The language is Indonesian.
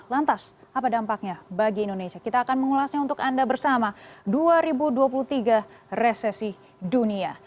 lantas apa dampaknya bagi indonesia kita akan mengulasnya untuk anda bersama dua ribu dua puluh tiga resesi dunia